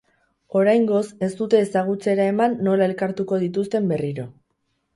Oraingoz ez dute ezagutzera eman nola elkartuko dituzten berriro.